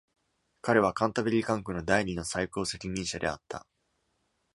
彼はカンタベリー管区の第二の最高責任者であった。